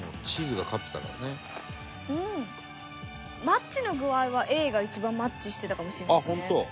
マッチの具合はＡが一番マッチしてたかもしれないですね。